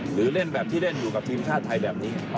หรือเล่นแบบที่เล่นอยู่กับทีมชาติไทยแบบนี้